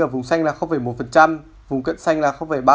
ở vùng xanh là một vùng cạnh xanh là ba